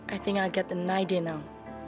aku pikir aku bisa pikirkan